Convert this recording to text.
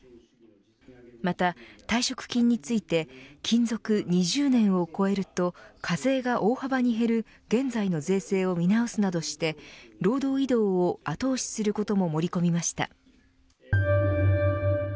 また、退職金について勤続２０年を超えると課税が大幅に減る現在の税制を見直すなどして労働移動を後押しすることも盛り込みました。